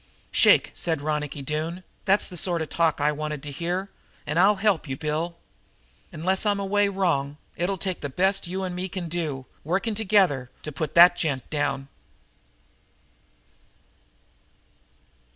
"Shake!" said Ronicky Doone. "That's the sort of talk I wanted to hear, and I'll help, Bill. Unless I'm away wrong, it'll take the best that you and me can do, working together, to put that gent down!"